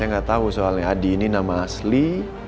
saya gak tahu soalnya adi ini nama asli